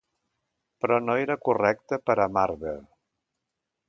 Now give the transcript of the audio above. Però no era correcte per a Marvel.